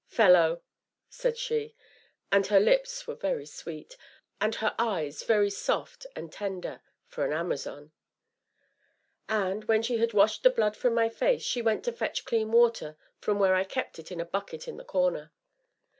" fellow!" said she. And her lips were very sweet, and her eyes very soft and tender for an Amazon. And, when she had washed the blood from my face, she went to fetch clean water from where I kept it in a bucket in the corner.